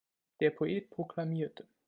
Der Poet proklamierte.